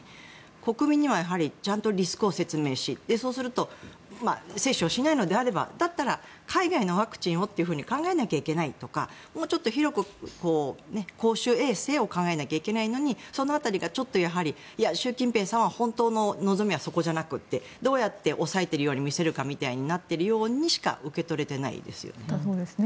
国民にはやはりちゃんとリスクを説明しそうすると接種をしないのであればだったら、海外のワクチンをと考えなきゃいけないとかもうちょっと広く公衆衛生を考えなきゃいけないのにその辺りがちょっとやはり習近平さんは本当の望みはそこじゃなくてどうやって抑えているように見せるかにしかなっていないと受け取れていないですよね。